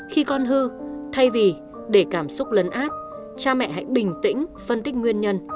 khi con hư thay vì để cảm xúc lấn át cha mẹ hãy bình tĩnh phân tích nguyên nhân